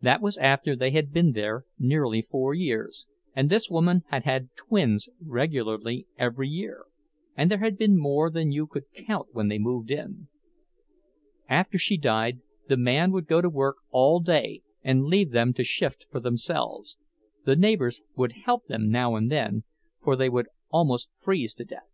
That was after they had been there nearly four years, and this woman had had twins regularly every year—and there had been more than you could count when they moved in. After she died the man would go to work all day and leave them to shift for themselves—the neighbors would help them now and then, for they would almost freeze to death.